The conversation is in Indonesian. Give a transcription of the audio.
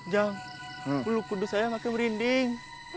jang bulu kuduk saya makin berinding